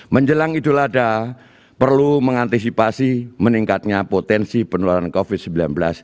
menjelang idul adha perlu mengantisipasi meningkatnya potensi penularan covid sembilan belas